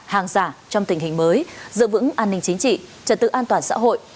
hàng giả trong tình hình mới giữ vững an ninh chính trị trật tự an toàn xã hội